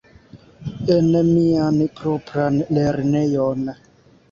En mian propran lernejon.